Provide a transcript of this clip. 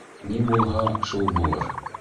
Ни булһа, шул булыр!